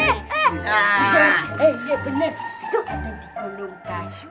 tuh kan ada di kolong kasus